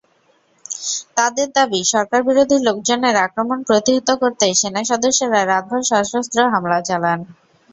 তাঁদের দাবি, সরকারবিরোধী লোকজনের আক্রমণ প্রতিহত করতে সেনাসদস্যরা রাতভর সশস্ত্র হামলা চালান।